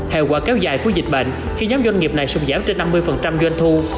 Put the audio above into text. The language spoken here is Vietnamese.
hệ quả kéo dài cuối dịch bệnh khi nhóm doanh nghiệp này sùng giảm trên năm mươi doanh thu